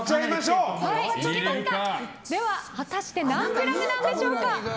では、果たして何グラムなんでしょうか。